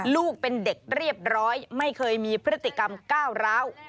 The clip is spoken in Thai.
ลูกเป็นเด็กเรียบร้อยไม่เคยมีพฤติกรรมก้าวร้าว